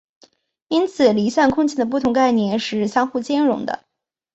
因此离散空间的不同概念是相互兼容的。